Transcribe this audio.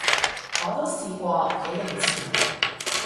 我都試過，幾年前